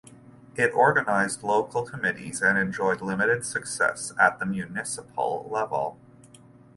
It organized local committees and enjoyed limited success at the municipal level.